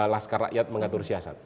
laskar rakyat mengatur siasat